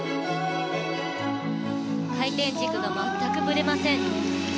回転軸が全くぶれません。